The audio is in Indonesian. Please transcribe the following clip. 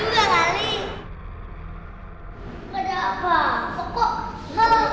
gak ada apa kok kok